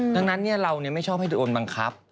ดังนั้นเราไม่ชอบให้โดนบังคับ